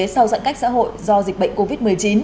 sau giãn cách xã hội do dịch bệnh covid một mươi chín